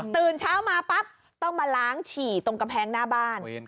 ตื่นเช้ามาปั๊บต้องมาล้างฉี่ตรงกำแพงหน้าบ้าน